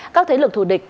các thế lực thù địch